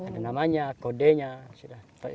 ada namanya kodenya sudah